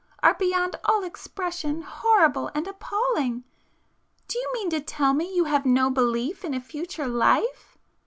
—are beyond all expression horrible and appalling. Do you mean to tell me you have no belief in a future life?"